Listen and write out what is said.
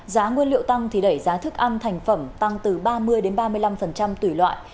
giá nguyên liệu tăng thì đẩy giá thức ăn thành phẩm tăng từ ba mươi đến ba mươi năm tùy loại